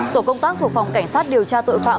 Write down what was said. tổ công tác thuộc phòng cảnh sát điều tra tội phạm